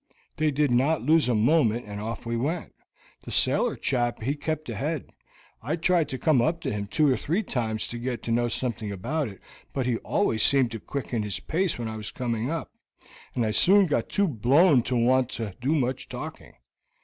They did not lose a moment, and off we went. The sailor chap he kept ahead. I tried to come up to him two or three times to get to know something about it, but he always seemed to quicken his pace when I was coming up, and I soon got too blown to want to do much talking.